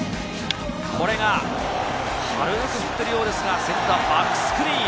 これが軽く振っているようですが、センターバックスクリーン！